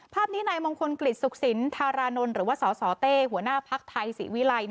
ภาพนี้นายมงคลกฤษสุขสินธารานนท์หรือว่าสสเต้หัวหน้าภักดิ์ไทยศรีวิลัย